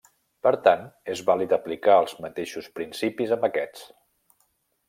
Per tant, és vàlid aplicar els mateixos principis amb aquests.